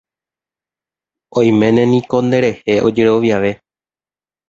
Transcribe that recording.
Oiméne niko nderehe ojeroviave.